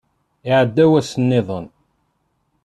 Iɛedda wass niḍen.